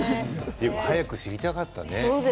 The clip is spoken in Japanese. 早く知りたかったね。